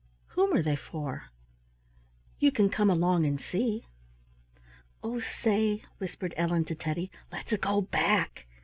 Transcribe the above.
"Whom are they for?" "You can come along and see." "Oh, say," whispered Ellen to Teddy, "let's go back!"